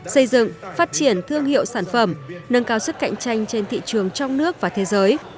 xây dựng phát triển thương hiệu sản phẩm nâng cao sức cạnh tranh trên thị trường trong nước và thế giới